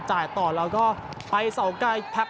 จ่ายต่อแล้วก็ไปเสาไกลแพ็ค